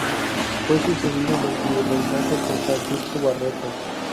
Fue sucedido en el virreinato por Francisco Barreto.